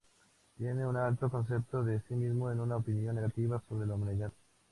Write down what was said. Tiene un alto concepto de sí mismo y una opinión negativa sobre la humanidad.